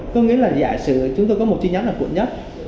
có nghĩa là giả sử chúng tôi có một chi nhánh ở quận nhất